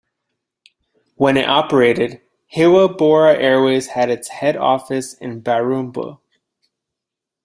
When it operated, Hewa Bora Airways had its head office in Barumbu.